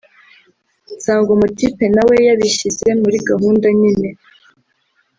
nsanga umutipe na we yabishyize muri gahunda nyine